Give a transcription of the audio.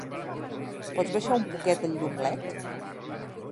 Pots abaixar un poquet el llum led?